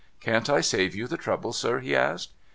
' Can't I save you the trouble, sir ?' he asked.